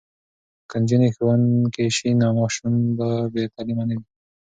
که نجونې ښوونکې شي نو ماشومان به بې تعلیمه نه وي.